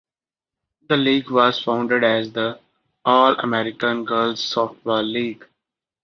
The league was founded as the "All-American Girls Softball League".